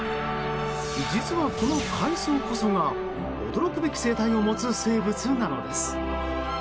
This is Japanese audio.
実は、この海草こそが驚くべき生態を持つ生物なのです。